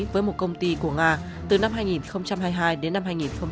với một công ty của nga từ năm hai nghìn hai mươi hai đến năm hai nghìn hai mươi ba